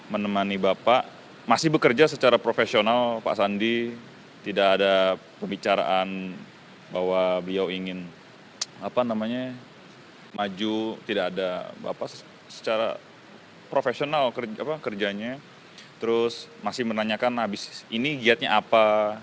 menemani bapak masih bekerja secara profesional pak sandi tidak ada pembicaraan bahwa beliau ingin maju tidak ada bapak secara profesional kerjanya terus masih menanyakan habis ini giatnya apa